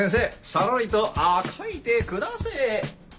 さらりとあ描いてくだせぇ。